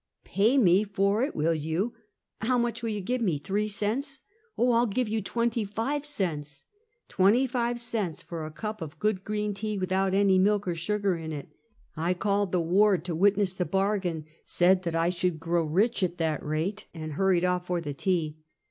"Pay me for it, will you? and how much will you give me — three cents? "" Oh, 1 '11 give you twenty five cents." " Twenty five cents for a cup of good green tea, with out any milk or sugar in it! " I called the ward to witness the bargain, said I should grow rich at that rate, and hurried ofi* for the tea.